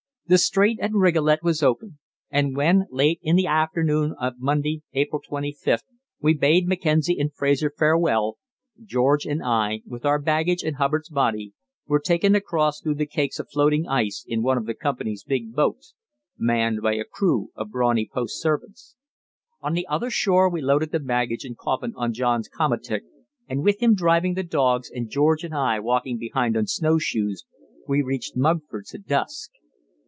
The strait at Rigolet was open, and when, late in the afternoon of Monday, April 25th, we bade Mackenzie and Fraser farewell, George and I, with our baggage and Hubbard's body, were taken across through the cakes of floating ice in one of the Company's big boats, manned by a crew of brawny post servants. On the other shore we loaded the baggage and coffin on John's komatik, and with him driving the dogs and George and I walking behind on snowshoes, we reached Mugford's at dusk.